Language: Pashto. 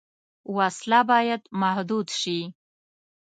وسله باید محدود شي